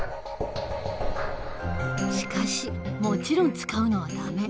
しかしもちろん使うのはダメ。